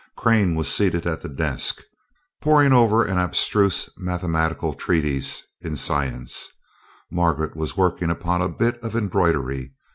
Crane was seated at the desk, poring over an abstruse mathematical treatise in Science. Margaret was working upon a bit of embroidery.